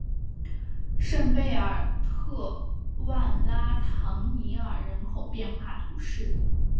圣贝尔特万拉唐涅尔人口变化图示